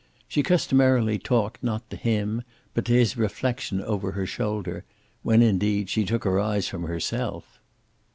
She customarily talked, not to him, but to his reflection over her shoulder, when, indeed, she took her eyes from herself.